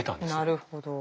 なるほど。